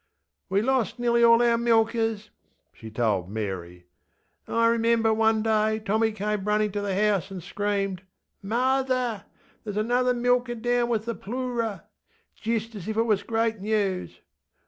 ŌĆśWe lost nearly all our milkers, ŌĆÖ she told Mary. ŌĆśI remember one day Tommy came running to the house and screamed: ŌĆśMarther! [mother] thereŌĆÖs another milker down with the ploorer! ŌĆÖ Jist as if it was great news.